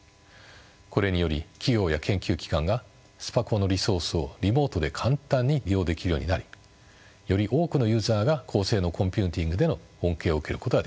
これにより企業や研究機関がスパコンのリソースをリモートで簡単に利用できるようになりより多くのユーザーが高性能コンピューティングでの恩恵を受けることができます。